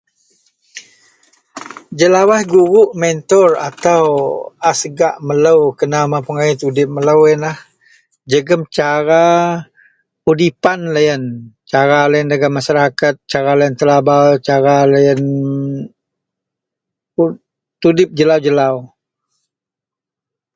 Jelawaih guruk mentor atau a segak melo kena mempengaruh tudip meli ienlah jegum cara udipan loyen cara loyen dagen masarakat cara loyen telabau cara loyen tudip jealau-jelau